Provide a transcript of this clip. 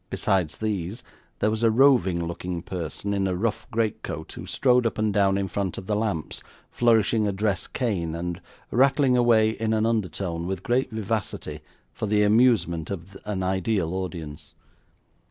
Besides these, there was a roving looking person in a rough great coat, who strode up and down in front of the lamps, flourishing a dress cane, and rattling away, in an undertone, with great vivacity for the amusement of an ideal audience.